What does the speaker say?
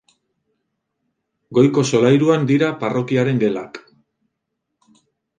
Goiko solairuan dira parrokiaren gelak.